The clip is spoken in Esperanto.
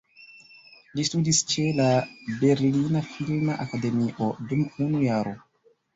Li studis ĉe la "Berlina Filma Akademio" dum unu jaro.